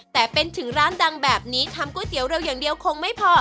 แต่เป็นถึงร้านดังแบบนี้ทำก๋วยเตี๋ยวเร็วอย่างเดียวคงไม่พอ